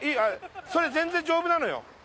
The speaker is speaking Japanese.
・れ全然丈夫なのよ。